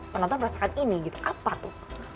penonton merasakan ini gitu apa tuh